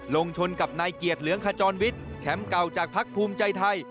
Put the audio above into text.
ลงชนกับนายเกียรติเหลืองขจรวิทย์แชมป์เก่าจากพักภูมิใจไทย